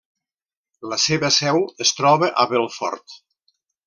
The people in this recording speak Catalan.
La seva seu es troba a Belfort.